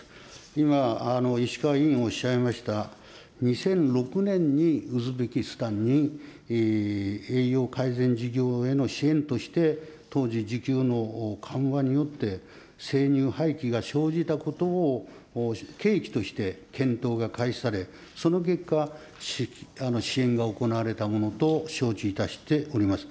今、石川議員おっしゃいました２００６年にウズベキスタンに、栄養改善事業への支援として当時、需給の緩和によって、生乳廃棄が生じたことを契機として検討が開始され、その結果、支援が行われたものと承知いたしております。